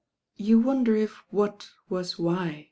"You wonder if what wat why?"